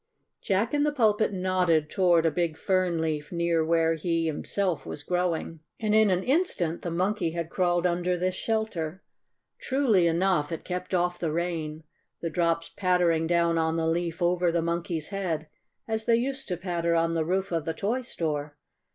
Jack in the Pulpit nodded toward a big fern leaf near where he himself was growing, and in an instant the Monkey had crawled under this shelter. Truly enough it kept off the rain, the drops pattering down on the leaf over the Monkey's head as they used to patter on the roof of the toy store.